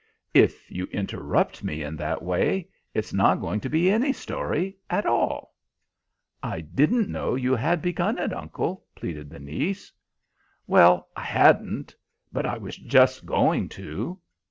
"If you interrupt me in that way, it's not going to be any story at all." "I didn't know you had begun it, uncle," pleaded the niece. "Well, I hadn't. But I was just going to."